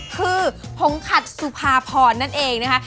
คือผงขัดสุภาพรนั่นเองนะคะ